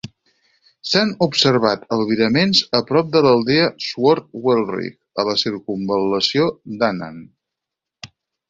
S'han observat albiraments a prop de l'aldea Swordwellrigg a la circumval·lació d'Annan.